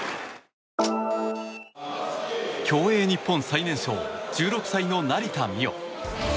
競泳日本最年少１６歳の成田実生。